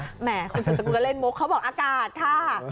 แหม่คุณสมุทรเล่นมกเขาบอกอากาศค่ะ